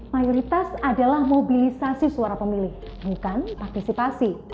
mayoritas adalah mobilisasi suara pemilih bukan partisipasi